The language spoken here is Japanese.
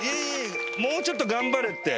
もうちょっと頑張れって。